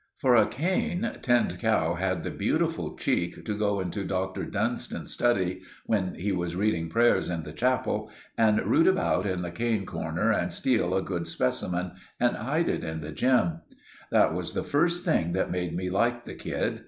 For a cane, Tinned Cow had the beautiful cheek to go into Dr. Dunstan's study, when he was reading prayers in the chapel, and rout about in the cane corner and steal a good specimen, and hide it in the gym. That was the first thing that made me like the kid.